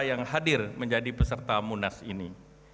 yang hadir menjadi peserta munas ini